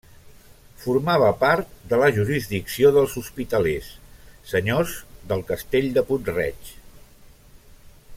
Formava part de la jurisdicció dels Hospitalers, senyors del Castell de Puig-reig.